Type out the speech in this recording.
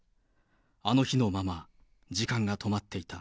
あの日のまま、時間が止まっていた。